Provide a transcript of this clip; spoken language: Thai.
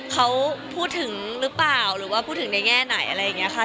เขาพูดถึงหรือเปล่าหรือว่าพูดถึงในแง่ไหนอะไรอย่างนี้ค่ะ